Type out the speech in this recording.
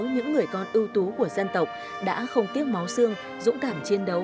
những người con ưu tú của dân tộc đã không tiếc máu xương dũng cảm chiến đấu